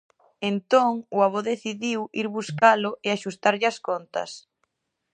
Entón, o avó decidiu ir buscalo e axustarlle as contas.